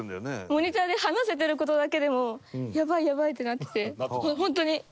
モニターで話せてる事だけでもやばいやばいってなってて本当に。